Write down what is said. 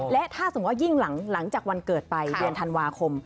และถ้าสมมุติยิ่งหลังจากวันเกิดไปเดือนธันวาคม